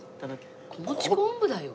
子持ち昆布だよ。